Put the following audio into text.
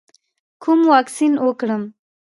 کوم واکسین وکړم؟